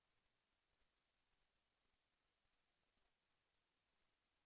แสวได้ไงของเราก็เชียนนักอยู่ค่ะเป็นผู้ร่วมงานที่ดีมาก